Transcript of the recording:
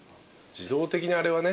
自動的にあれはね。